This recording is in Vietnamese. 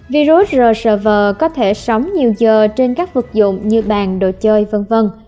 virus rsv có thể sống nhiều giờ trên các vực dụng như bàn đồ chơi v v